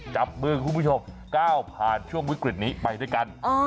จับมือคุณผู้ชมก้าวผ่านช่วงวิกฤตนี้ไปด้วยกัน